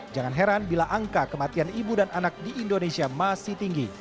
jangan heran bila angka kematian ibu dan anak di indonesia masih tinggi